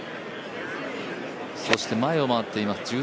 そして前を回っています